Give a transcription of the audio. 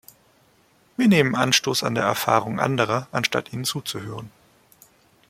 Wir nehmen Anstoß an der Erfahrung anderer, anstatt ihnen zuzuhören.